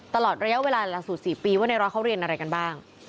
ตลอดระยะเวลาหลักสูตร๔ปีว่าในร้อยเขาเรียนอะไรกันบ้าง